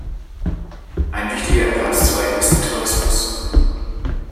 Ein wichtiger Erwerbszweig ist der Tourismus.